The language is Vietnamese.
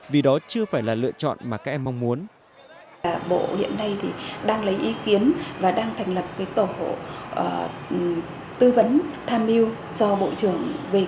vì đó chưa phải là lựa chọn mà các em mong muốn